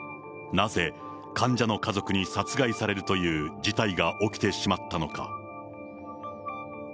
なぜ、患者の家族に殺害されるという事態が起きてしまったのか。